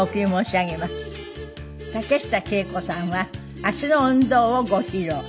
竹下景子さんは足の運動をご披露。